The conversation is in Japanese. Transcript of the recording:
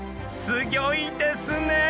すギョいですね！